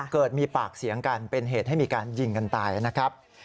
เกิดมีปากเสียงกันเป็นเหตุให้มีการยิงกันตายนะครับ